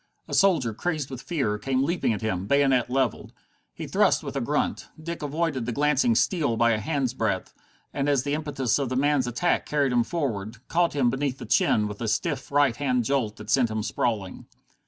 A soldier, crazed with fear, came leaping at him, bayonet leveled. He thrust with a grunt. Dick avoided the glancing steel by a hand's breadth, and, as the impetus of the man's attack carried him forward, caught him beneath the chin with a stiff right hand jolt that sent him sprawling.